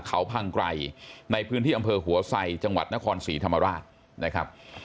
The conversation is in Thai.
เขาพังไกรในพื้นที่อำเภอหัวไซจังหวัดนครศรีธรรมราชนะครับ